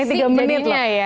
rasik jadinya ya